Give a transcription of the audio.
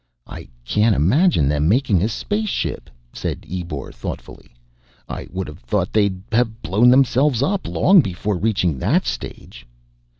"I can't imagine them making a spaceship," said Ebor thoughtfully. "I would have thought they'd have blown themselves up long before reaching that stage."